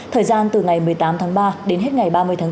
thời gian từ ngày một mươi tám tháng ba đến hết ngày ba mươi tháng bốn